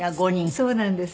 そうなんです。